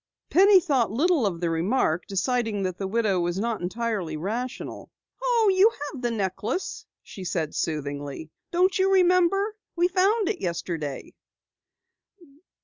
Penny thought little of the remark, deciding that the widow was not entirely rational. "Oh, you have the necklace," she said soothingly. "Don't you remember? We found it yesterday."